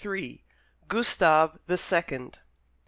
GUSTAVE THE SECOND.